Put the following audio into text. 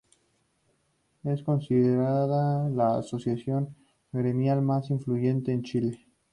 Es considerada la asociación gremial más influyente en Chile.